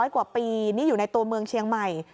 กว่าปีนี่อยู่ในตัวเมืองเชียงใหม่